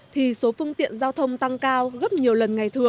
thì số phương tiện giao thông tăng cao